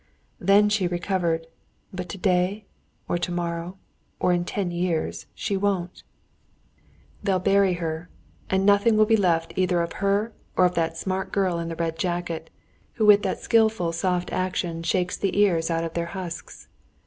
"Then she recovered, but today or tomorrow or in ten years she won't; they'll bury her, and nothing will be left either of her or of that smart girl in the red jacket, who with that skillful, soft action shakes the ears out of their husks.